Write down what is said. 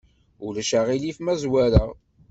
Ulac aɣilif ma zwareɣ?